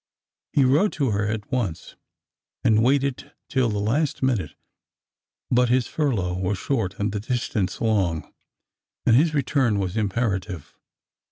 He wrote to her at once, and waited till the last minute ; but his furlough w'^as short and the distance long, and his return was imperative.